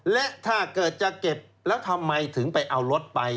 และถ้าเกิดจะเก็บแล้วทำไมถึงไปเอารถไป